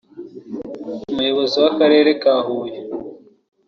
Umuyobozi w’Akarere ka Huye